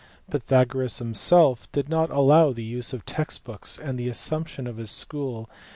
Pythagoras himself did not allow the use of text books, and the assumption of his school